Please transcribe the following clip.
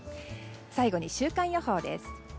最後に週間予報です。